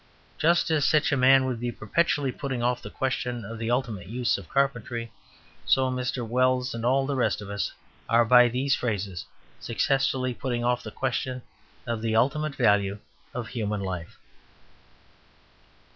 Just as such a man would be perpetually putting off the question of the ultimate use of carpentry, so Mr. Wells and all the rest of us are by these phrases successfully putting off the question of the ultimate value of the human life.